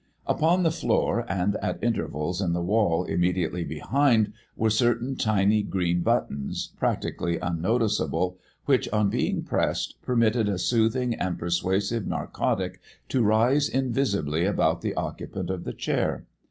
Upon the floor, and at intervals in the wall immediately behind, were certain tiny green buttons, practically unnoticeable, which on being pressed permitted a soothing and persuasive narcotic to rise invisibly about the occupant of the chair.